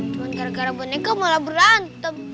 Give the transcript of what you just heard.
cuma gara gara boneka malah berantem